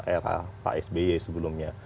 era pak sby sebelumnya